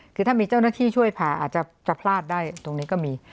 คือถ้ามีเจ้าหน้าที่ช่วยผ่าอาจจะพลาดได้ตรงนี้ก็มี